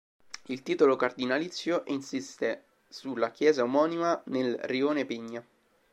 Il titolo cardinalizio insiste sulla chiesa omonima nel rione Pigna.